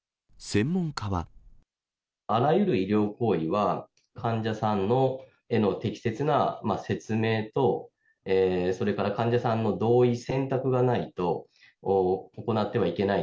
あらゆる医療行為は、患者さんへの適切な説明と、それから患者さんの同意選択がないと行ってはいけない。